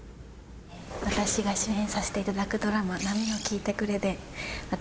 私が主演させていただくドラマ『波よ聞いてくれ』で私